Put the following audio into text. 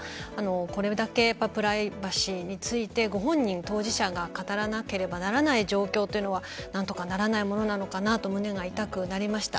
これだけプライバシーについてご本人当事者が語らなければならない状況というのは何とかならないものなのかなと胸が痛くなりました。